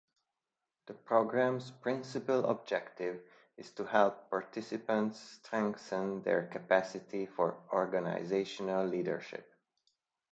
The program's principal objective is to help participants strengthen their capacity for organizational leadership.